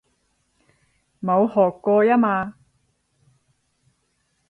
冇學過吖嘛